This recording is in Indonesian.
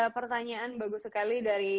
pertanyaan bagus sekali dari